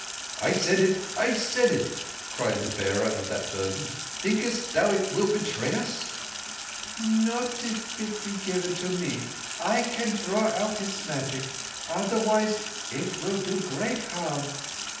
"I said it; I said it," cried the bearer of that burden. "Thinkest thou it will betray us?" "Not if it be given to me. I can draw out its magic. Otherwise it will do great harm."